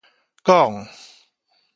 講